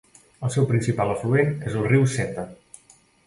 El seu principal afluent és el riu Seta.